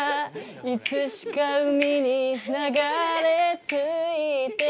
「いつしか海に流れ着いて光って」